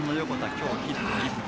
今日ヒット１本。